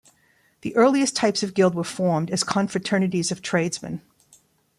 The earliest types of guild were formed as confraternities of tradesmen.